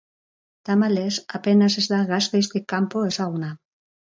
Tamalez, apenas ez da Gasteiztik kanpo ezaguna.